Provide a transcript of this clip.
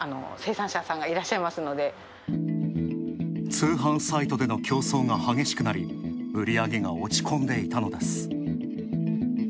通販サイトでの競争が激しくなり、売り上げが落ち込んでいたのです。